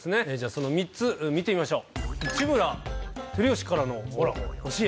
その３つ見てみましょう。